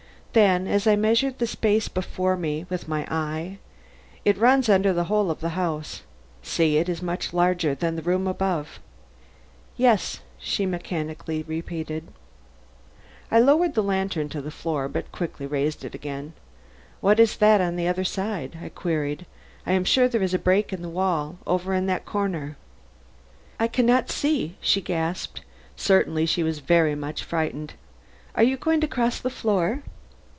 Then as I measured the space before me with my eye, "It runs under the whole house. See, it is much larger than the room above." "Yes," she mechanically repeated. I lowered the lantern to the floor but quickly raised it again. "What is that on the other side?" I queried. "I am sure there is a break in the wall over in that corner." "I can not see," she gasped; certainly she was very much frightened. "Are you going to cross the floor?"